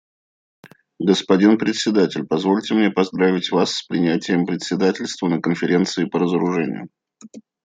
Господин Председатель, позвольте мне поздравить вас с принятием председательства на Конференции по разоружению.